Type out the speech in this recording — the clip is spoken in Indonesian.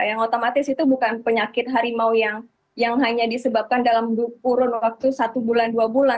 yang otomatis itu bukan penyakit harimau yang hanya disebabkan dalam kurun waktu satu bulan dua bulan